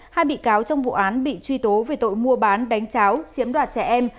hai bị cáo trong vụ án bị truy tố về tội mua bán đánh cháo chiếm đoạt trẻ em